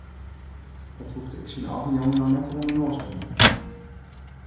Dat hoegde ik syn eigen jonge no net oan de noas te hingjen.